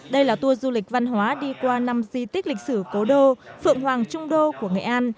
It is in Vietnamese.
đây là tour du lịch văn hóa đi qua năm di tích lịch sử cố đô phượng hoàng trung đô của nghệ an